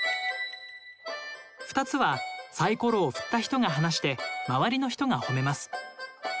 ２つはサイコロを振った人が話して周りの人がほめます。